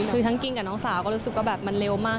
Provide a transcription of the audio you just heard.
คือทั้งกิ้งกับน้องสาวก็รู้สึกว่าแบบมันเร็วมาก